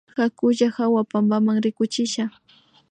Hakulla hawa pampama rikuchisha